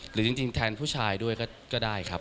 หรือจริงแทนผู้ชายด้วยก็ได้ครับ